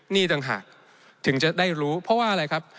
นี่ต่างหากถึงจะได้รู้เพราะว่าอะไรครับ